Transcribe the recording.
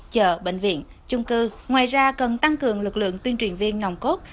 chợ bệnh viện chung cư ngoài ra cần tăng cường lực lượng tuyên truyền viên nòng cốt